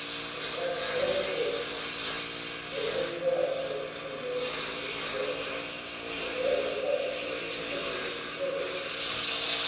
In a crack the door is opened. 'Stay where you are,' said the Schoolmaster to the Chouette; 'keep a bright lookout, and give me the signal if you hear anything.'